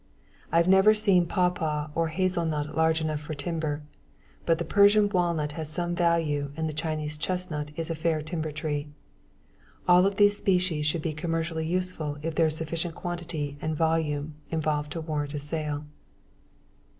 I've never seen papaw or hazel nut large enough for timber, but the Persian walnut has some value and the Chinese chestnut is a fair timber tree. All of these species should be commercially useful if there is sufficient quality and volume involved to warrant a sale.